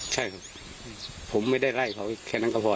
ใช่ผมไม่ได้ไล่เขาแค่นั้นก็พอแล้ว